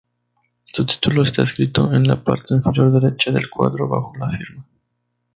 Su título está escrito en la parte inferior derecha del cuadro, bajo la firma.